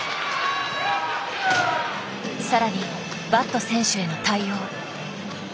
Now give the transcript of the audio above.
更にバット選手への対応。